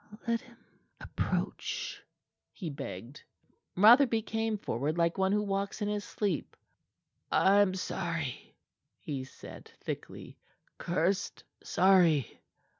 "Let him approach," he begged. Rotherby came forward like one who walks in his sleep. "I am sorry," he said thickly, "cursed sorry."